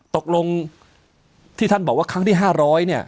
ตกลงที่ท่านบอกว่าครั้งที่๕๐๐เนี่ย